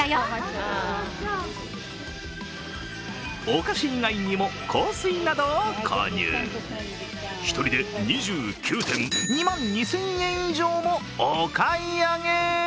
お菓子以外にも、香水などを購入１人で２９点、２万２０００円以上もお買い上げ。